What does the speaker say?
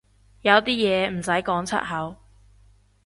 有啲嘢唔使講出口